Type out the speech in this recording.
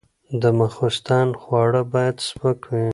د ماخوستن خواړه باید سپک وي.